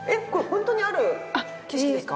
本当にある景色ですか？